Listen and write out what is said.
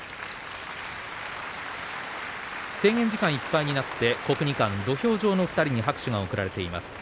制限時間いっぱいになって土俵上の２人に拍手が送られています。